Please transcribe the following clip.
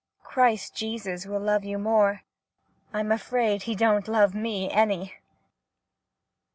Christ Jesus will love you more. I 'm afraid he don't love me any